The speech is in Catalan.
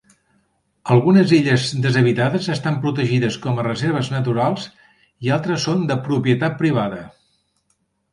Algunes illes deshabitades estan protegides com a reserves naturals i altres són de propietat privada.